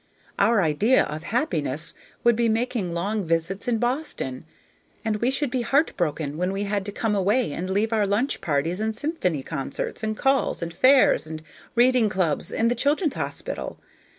"Our idea of happiness would be making long visits in Boston; and we should be heart broken when we had to come away and leave our lunch parties, and symphony concerts, and calls, and fairs, the reading club and the childrens' hospital.